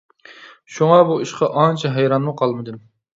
شۇڭا بۇ ئىشقا ئانچە ھەيرانمۇ قالمىدىم.